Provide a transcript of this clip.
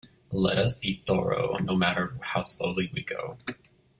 Let us be thorough, no matter how slowly we go.